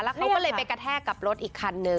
โดนเค้าก็เลยไปกะแทะกับรถอีกคันนึง